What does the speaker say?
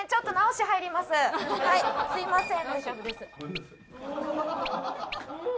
はいすいません。